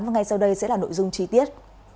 và ngay sau đây sẽ là nội dung chi tiết